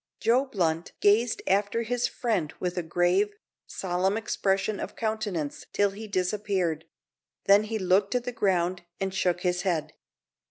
Joe Blunt gazed after his friend with a grave, solemn expression of countenance till he disappeared; then he looked at the ground, and shook his head.